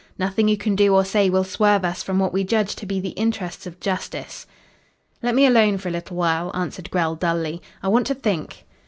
Nothing you can do or say will swerve us from what we judge to be the interests of justice." "Let me alone for a little while," answered Grell dully; "I want to think."